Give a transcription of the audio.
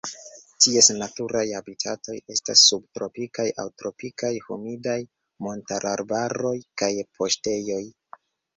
Ties naturaj habitatoj estas subtropikaj aŭ tropikaj humidaj montararbaroj kaj paŝtejoj.